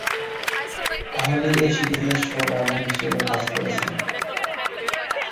হলি এ সিরিজের শো-রানার হিশেবে কাজ করছেন।